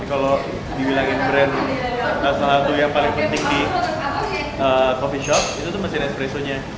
kalau dibilangin brand salah satu yang paling penting di coffee shop itu tuh mesin espresso nya